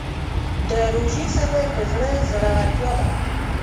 د روژې صبر د زړه زړورتیا ده.